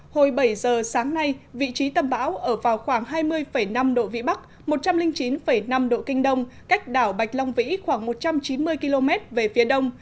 hồi bảy giờ sáng nay vị trí tâm bão ở vào khoảng hai mươi năm độ vĩ bắc một trăm linh chín năm độ kinh đông cách đảo bạch long vĩ khoảng một trăm chín mươi km về phía đông